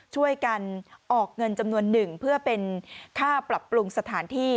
ช่วยกันออกเงินจำนวนหนึ่งเพื่อเป็นค่าปรับปรุงสถานที่